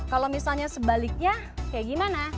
kalau misalnya sebaliknya kayak gimana